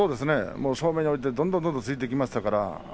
正面に置いてどんどん突いてきましたね。